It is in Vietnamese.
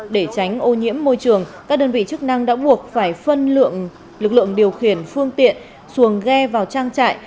để tránh ô nhiễm môi trường các đơn vị chức năng đã buộc phải phân lực lượng điều khiển phương tiện xuồng ghe vào trang trại